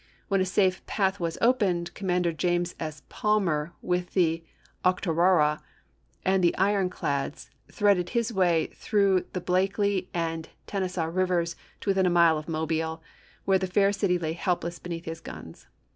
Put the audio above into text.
When a safe path was opened, Commander James S. Palmer with the Octorara and the ironclads threaded his way through the Blakely and Ten saw rivers to within a mile of Mobile, where the fair city lay helpless beneath his guns.